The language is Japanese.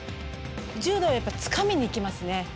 柔道はやっぱつかみにいきますね。